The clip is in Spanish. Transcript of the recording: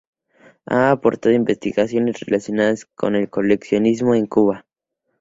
Ha aportado investigaciones relacionadas con el coleccionismo en Cuba.